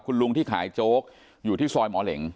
คุณลุงที่ขายโจ๊กอยู่ที่ซอยหมอเหล็ง